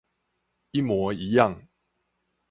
一模一樣